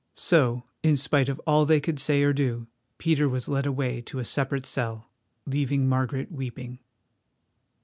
So, in spite of all they could say or do, Peter was led away to a separate cell, leaving Margaret weeping.